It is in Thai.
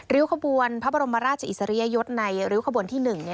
ริ้วขบวนพระบรมราชอิสริยยศในริ้วขบวนที่๑